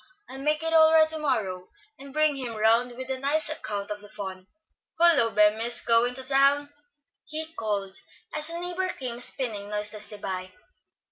I'll make it all right to morrow, and bring him round with a nice account of the fun. Hullo, Bemis! going to town?" he called, as a neighbor came spinning noiselessly by.